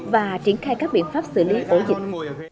và triển khai các biện pháp xử lý ổ dịch